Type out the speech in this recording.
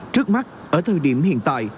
trước mắt ở thời điểm hiện tại